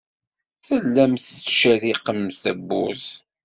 Tellamt tettcerriqemt tawwurt.